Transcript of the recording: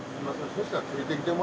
そしたら。